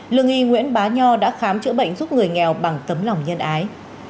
lương y nguyễn bá nho đã khám chữa bệnh giúp người nghèo bằng tấm lòng nhân ái